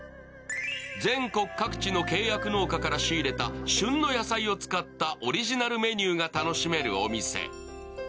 全国各地の契約農家から仕入れた旬の野菜を使ったオリジナルメニューが楽しめるお店。